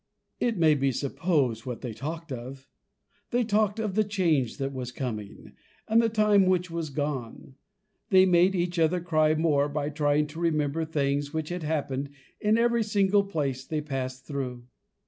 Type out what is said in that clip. It may be supposed what they talked of; they talked of the change that was coming, and the time which was gone. They made each other cry more by trying to remember things which had happened in every place they passed through.